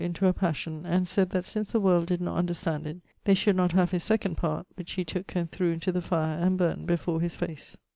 into a passion; and sayd that since the world did not understand it, they should not have his second part, which he tooke and threw into the fire, and burnt before his face.